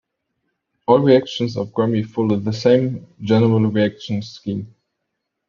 All reactions of gramine follow the same general reaction scheme.